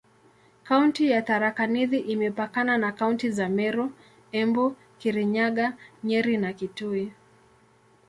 Kaunti ya Tharaka Nithi imepakana na kaunti za Meru, Embu, Kirinyaga, Nyeri na Kitui.